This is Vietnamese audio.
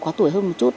quá tuổi hơn một chút